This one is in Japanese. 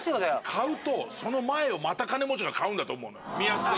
買うとその前をまた金持ちが買うんだと思うのよ。